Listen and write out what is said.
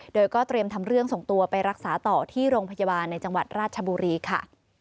โดยก็เตรียมทำเรื่องส่งตัวไปรักษาต่อที่โรงพยาบาลในจังหวัดราชบุรีค่ะ